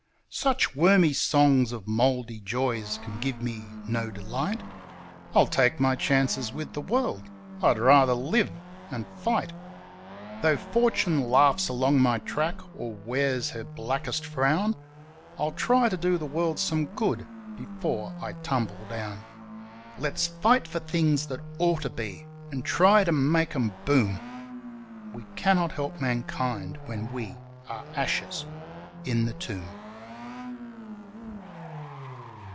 Such wormy songs of mouldy joys can give me no delight; I'll take my chances with the world, I'd rather live and fight. Though Fortune laughs along my track, or wears her blackest frown, I'll try to do the world some good before I tumble down. Let's fight for things that ought to be, and try to make 'em boom; We cannot help mankind when we are ashes in the tomb.